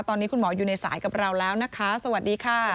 ตอนนี้คุณหมออยู่ในสายกับเราแล้วนะคะสวัสดีค่ะ